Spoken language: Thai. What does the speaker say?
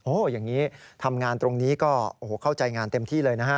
อย่างนี้ทำงานตรงนี้ก็โอ้โหเข้าใจงานเต็มที่เลยนะฮะ